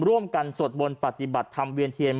ร่วมกันสดบนปฏิบัติธรรมเวียนเทียน